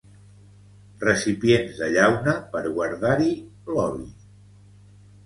Recipients de llauna per guardar-hi l'oli.